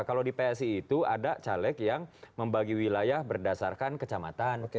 kalau di psi itu ada caleg yang membagi wilayah berdasarkan kecamatan